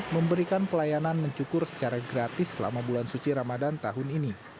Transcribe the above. memberikan pelayanan mencukur secara gratis selama bulan suci ramadan tahun ini